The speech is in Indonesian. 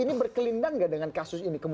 ini berkelindang nggak dengan kasus ini